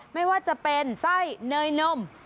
ไม่ว่าจะเป็นไส้เนยนม